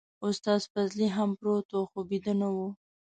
استاد فضلي هم پروت و خو بيده نه و.